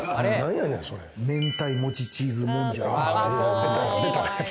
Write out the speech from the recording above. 明太もちチーズもんじゃ。